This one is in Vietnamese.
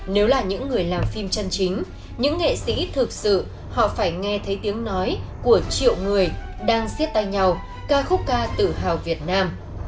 nếu là những người làm phim chân chính những nghệ sĩ thực sự họ phải nghe thấy tiếng nói của triệu người đang siết tay nhau ca khúc ca tự hào việt nam